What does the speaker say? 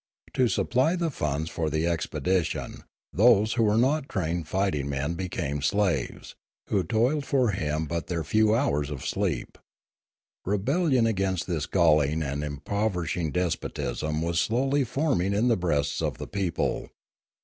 To supply the funds for the ex pedition, those who were not trained fighting men be came slaves, who toiled for him all but their few hours of sleep. Rebellion against this galling and impover ishing despotism was slowly forming in the breasts of the people.